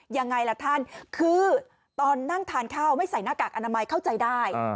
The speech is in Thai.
ยังไงล่ะท่านคือตอนนั่งทานข้าวไม่ใส่หน้ากากอนามัยเข้าใจได้